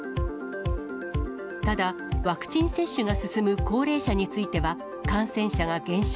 ただ、ワクチン接種が進む高齢者については、感染者が減少。